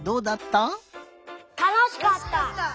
たのしかった！